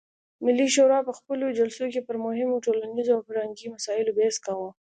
ملي شورا په خپلو جلسو کې پر مهمو ټولنیزو او فرهنګي مسایلو بحث کاوه.